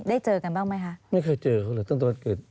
เจอกันบ้างไหมคะไม่เคยเจอเขาเลยตั้งแต่วันเกิด